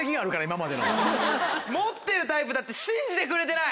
持ってるタイプだって信じてくれてない！